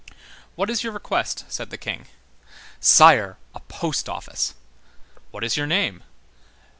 "What is your request?" said the King. "Sire, a post office." "What is your name?"